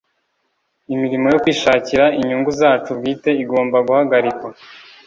imirimo yo kwishakira inyungu zacu bwite igomba guhagarikwa;